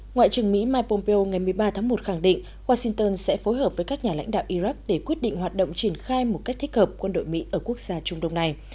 ngoại trưởng mỹ mike pompeo ngày một mươi ba tháng một khẳng định washington sẽ phối hợp với các nhà lãnh đạo iraq để quyết định hoạt động triển khai một cách thích hợp quân đội mỹ ở quốc gia trung đông này